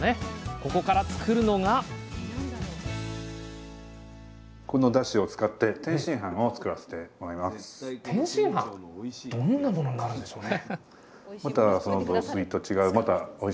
ここから作るのが天津飯⁉どんなものになるんでしょうね？